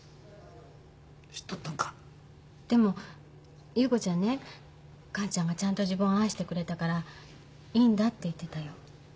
でも優子ちゃんね完ちゃんがちゃんと自分を愛してくれたからいいんだって言ってたよ。